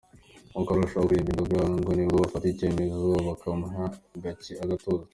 Uko arushaho kuririra inzoga ngo nibwo bafata icyemezo bakamuha gacye agatuza.